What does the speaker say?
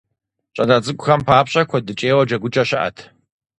ЩӀалэ цӀыкӀухэм папщӏэ куэдыкӏейуэ джэгукӀэ щыӏэт.